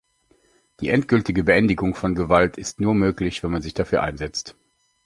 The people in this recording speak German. Die endgültige Beendigung von Gewalt ist nur möglich, wenn man sich dafür einsetzt.